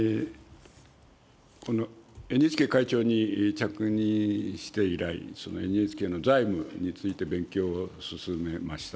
ＮＨＫ会長に着任して以来、ＮＨＫの財務について勉強を進めました。